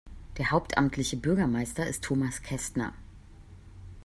Der hauptamtliche Bürgermeister ist Thomas Kästner.